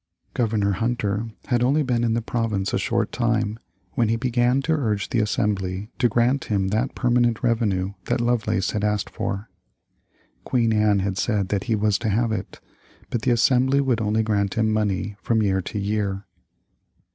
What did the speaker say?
Governor Hunter had only been in the province a short time when he began to urge the Assembly to grant him that permanent revenue that Lovelace had asked for. Queen Anne had said that he was to have it. But the Assembly would only grant him money from year to year.